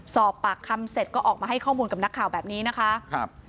สอบปากคำเสร็จก็ออกมาให้ข้อมูลกับนักข่าวแบบนี้นะคะครับ